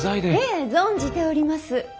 ええ存じております。